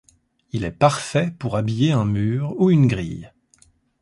Il est parfait pour habiller un mur ou une grille.